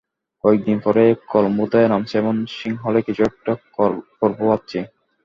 কয়েকদিন পরেই কলম্বোতে নামছি, এবং সিংহলে কিছু একটা করব ভাবছি।